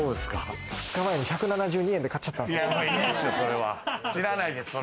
２日前に１７２円で買っちゃったんすけど。